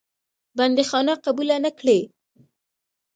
بندیخانه قبوله نه کړې.